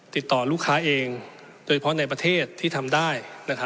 ติดต่อลูกค้าเองโดยเฉพาะในประเทศที่ทำได้